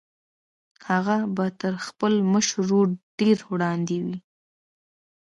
هغه به تر خپل مشر ورور ډېر وړاندې وي